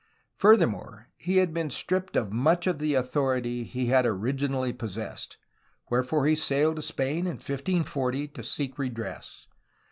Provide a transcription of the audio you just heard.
Furthermore, he had been stripped of much of the authority he had originally possessed, wherefore he sailed to Spain in 1540 to seek redress.